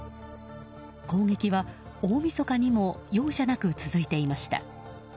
攻撃は、大みそかにも容赦なく続いていました。